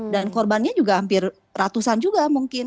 dan korbannya juga hampir ratusan juga mungkin